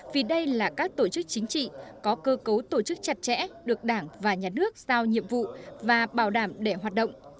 vì đây là các tổ chức chính trị có cơ cấu tổ chức chặt chẽ được đảng và nhà nước giao nhiệm vụ và bảo đảm để hoạt động